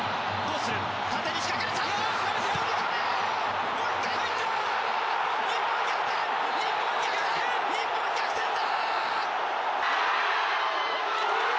日本、逆転だ！